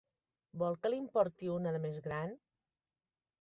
Vol que li'n porti una de més gran?